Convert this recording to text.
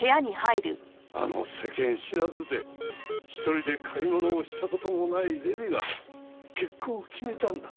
あの世間知らずで一人で買い物をした事もない麗美が結婚を決めたんだ。